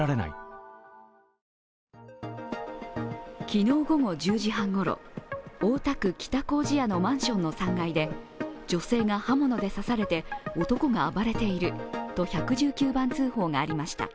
昨日午後１０時半ごろ大田区北糀谷のマンションの３階で女性が刃物で刺されて男が暴れていると１１９番通報がありました。